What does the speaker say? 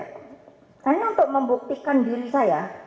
hanya untuk membuktikan diri saya